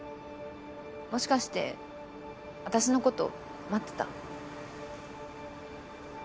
もしかして私の事待ってた？